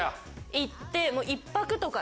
行って。